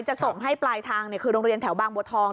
จะส่งให้ปลายทางคือโรงเรียนแถวบางบัวทอง